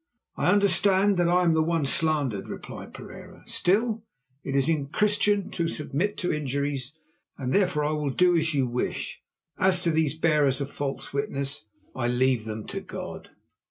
"I understand that I am one slandered," replied Pereira. "Still, it is Christian to submit to injuries, and therefore I will do as you wish. As to these bearers of false witness, I leave them to God."